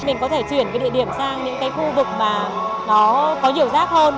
mình có thể chuyển địa điểm sang những khu vực mà nó có nhiều rác hơn